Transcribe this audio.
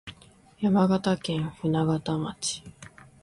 山形県舟形町